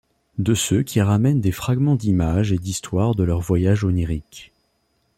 De ceux qui ramènent des fragments d'images et d'histoires de leurs voyages oniriques.